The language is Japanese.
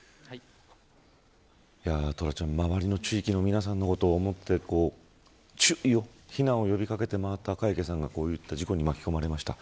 トラちゃん、周りの地域の皆さんのことを思って避難を呼び掛けて回った赤池さんが、こういった事件に巻き込まれました。